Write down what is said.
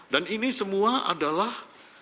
dan ini semua adalah